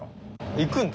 行くんだ？